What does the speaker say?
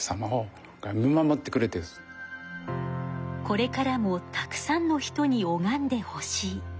これからもたくさんの人におがんでほしい。